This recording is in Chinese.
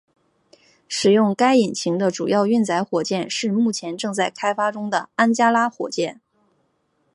使用该引擎的主要运载火箭是目前正在开发中的安加拉火箭。